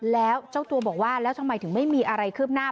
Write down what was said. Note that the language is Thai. แล้วเจ้าตัวบอกว่าแล้วทำไมถึงไม่มีอะไรคืบหน้า